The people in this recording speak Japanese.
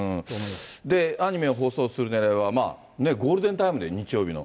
アニメを放送するねらいは、ゴールデンタイム、日曜日の。